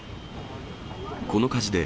この火事で、